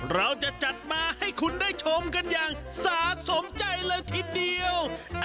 เราจะจัดมาให้คุณได้ชมกันอย่างสะสมใจเลยทีเดียว